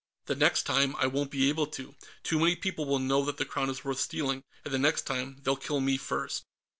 "The next time, I won't be able to. Too many people will know that the Crown is worth stealing, and the next time, they'll kill me first."